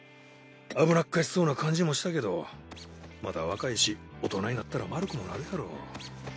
危なっかしそうな感じもしたけどまだ若いし大人になったら丸くもなるやろ。